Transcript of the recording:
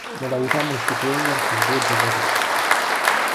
Modalità multiplayer per due giocatori.